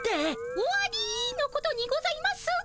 終わりのことにございますが。